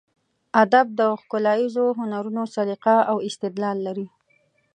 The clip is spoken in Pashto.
ادب د ښکلاییزو هنرونو سلیقه او استدلال لري.